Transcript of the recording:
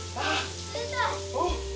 おっ！